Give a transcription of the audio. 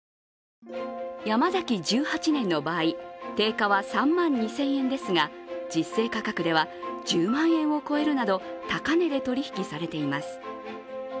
山崎１８年の場合、定価は３万２０００円ですが、実勢価格では１０万円を超えるなど高値で取引されています。